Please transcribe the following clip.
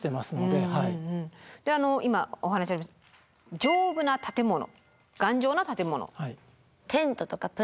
であの今お話にありました丈夫な建物頑丈な建物。